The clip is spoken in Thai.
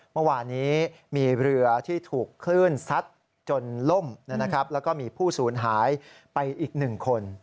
เมื่อวานนี้มีเรือที่ถูกคลื่นซัดจนล่มแล้วก็มีผู้สูญหายไปอีก๑คน